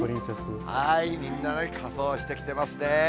みんなね、仮装して来てますね。